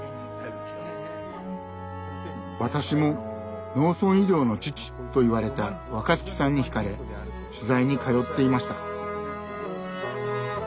私も「農村医療の父」と言われた若月さんにひかれ取材に通っていました。